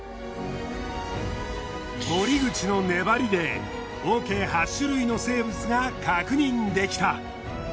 森口の粘りで合計８種類の生物が確認できた。